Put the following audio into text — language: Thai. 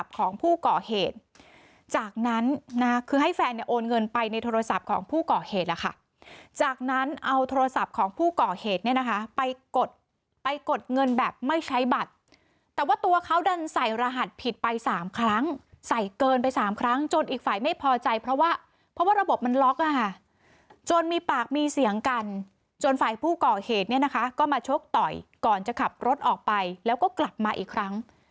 ของผู้ก่อเหตุแล้วค่ะจากนั้นเอาโทรศัพท์ของผู้ก่อเหตุเนี่ยนะคะไปกดไปกดเงินแบบไม่ใช้บัตรแต่ว่าตัวเขาดันใส่รหัสผิดไปสามครั้งใส่เกินไปสามครั้งจนอีกฝ่ายไม่พอใจเพราะว่าเพราะว่าระบบมันล๊อคอ่ะจนมีปากมีเสียงกันจนฝ่ายผู้ก่อเหตุเนี่ยนะคะก็มาโชคต่อยก่อนจะขับรถออกไปแล้วก็กลับมาอีกครั้